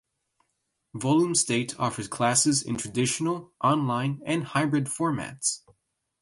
Volume State offers classes in traditional, online and hybrid formats.